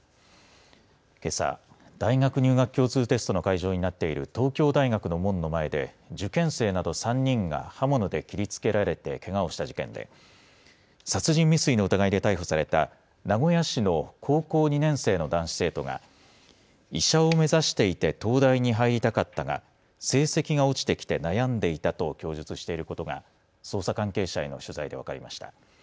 けさ、大学入学共通テストの会場になっている東京大学の門の前で受験生など３人が刃物で切りつけられてけがをした事件で殺人未遂の疑いで逮捕された名古屋市の高校２年生の男子生徒が医者を目指していて東大に入りたかったが成績が落ちてきて悩んでいたと供述していることが捜査関係者への取材で分かりました。